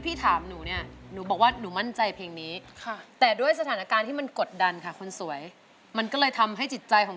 มีแฟนไทยใจฉันทั้งปีไม่เคยมีความสุขสบายโอ๊ยฉันละน่าอายความยากจำจัง